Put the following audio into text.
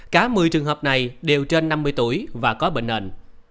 cả một mươi trường hợp này đều trên năm mươi tuổi và có bệnh nền